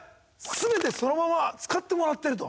全てそのまま使ってもらってると。